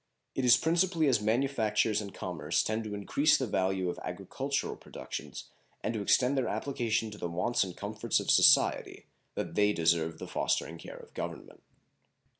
It is principally as manufactures and commerce tend to increase the value of agricultural productions and to extend their application to the wants and comforts of society that they deserve the fostering care of Government.